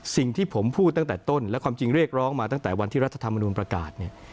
สิ่งที่ผมพูดตั้งแต่ต้นและความจริงเรียกร้องมาตั้งแต่วันที่รัฐธรรมนุนประกาศเนี่ย